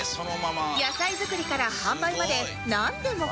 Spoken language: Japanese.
野菜作りから販売までなんでも